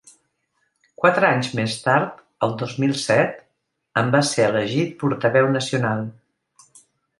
Quatre anys més tard, el dos mil set, en va ser elegit portaveu nacional.